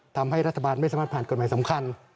ทำให้รัฐบาลไม่สามารถผ่านกฎหมายสำคัญ